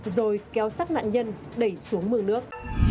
rồi kéo sát nạn nhân đẩy xuống mường nước